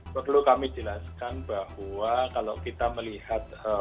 jadi perlu kami jelaskan bahwa kalau kita melihat progres